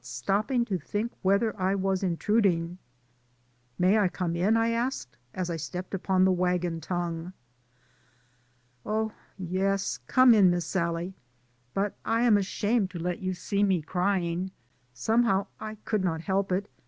stopping to think whether I was intruding. "May I come in?" I asked, as I stepped upon the wagon tongue. "Oh, yes, come in, Miss Sallie, but I am ashamed to let you see me crying, somehow I could not help it.